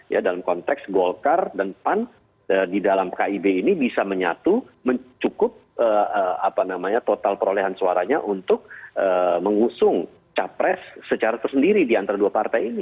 ya dalam konteks golkar dan pan di dalam kib ini bisa menyatu cukup total perolehan suaranya untuk mengusung capres secara tersendiri di antara dua partai ini